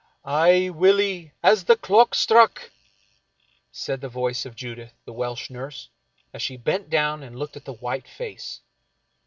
" Aye, Willie, as the clock struck !" said the voice of Judith, the Welsh nurse, as she bent down and looked at the white face.